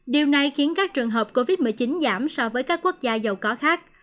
điều này khiến các trường hợp covid một mươi chín giảm so với các quốc gia giàu có khác